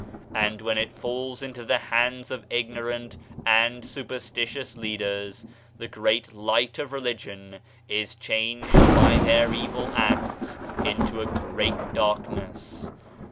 And when it falls into the hands of ignorant and superstitious leaders, the great light of religion is changed by their evil acts into a great darkness.